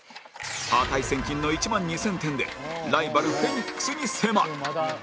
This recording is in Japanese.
値千金の１万２０００点でライバルフェニックスに迫る